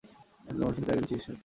তিনি কর্মসূত্রে একজন সরকারি চিকিৎসক।